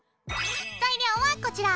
材料はこちら！